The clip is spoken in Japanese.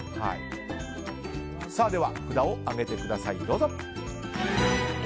では、札を上げてください。